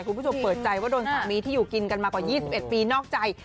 คุณผู้ชมเปิดใจว่าโดนสักวีที่อยู่กินกันมากว่า๒๑ปีนอกใจ